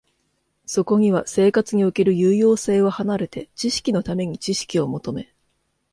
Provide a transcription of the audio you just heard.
そこには生活における有用性を離れて、知識のために知識を求め、